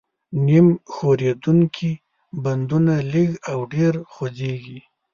نیم ښورېدونکي بندونه لږ او ډېر خوځېږي.